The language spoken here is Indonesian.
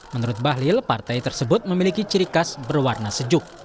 menurut bahlil partai tersebut memiliki ciri khas berwarna sejuk